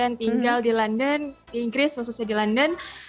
yang tinggal di london inggris khususnya di london